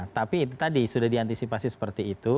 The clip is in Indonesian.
tapi itu tadi sudah diantisipasi seperti itu